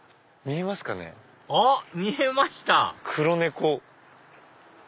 見えました黒猫。